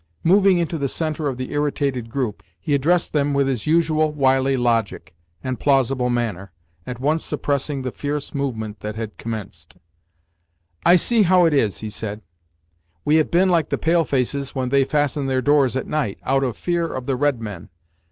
Moving into the centre of the irritated group, he addressed them with his usual wily logic and plausible manner, at once suppressing the fierce movement that had commenced. "I see how it is," he said. "We have been like the pale faces when they fasten their doors at night, out of fear of the red men.